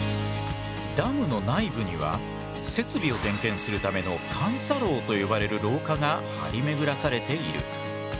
ダムの内部には設備を点検するための監査廊と呼ばれる廊下が張り巡らされている。